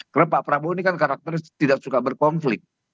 karena pak prabowo ini kan karakternya tidak suka berkonflik